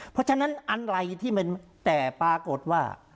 เพราะฉะนั้นอะไรที่มันแต่ปรากฏว่า